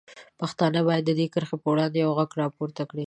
پښتانه باید د دې کرښې په وړاندې یوغږ راپورته کړي.